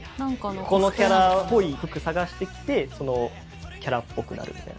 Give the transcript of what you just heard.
このキャラっぽい服探してきてそのキャラっぽくなるみたいな。